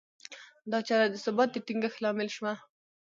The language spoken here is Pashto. دا چاره د ثبات د ټینګښت لامل شوه.